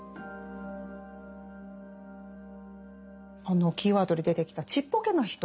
あのキーワードで出てきた「ちっぽけな人」。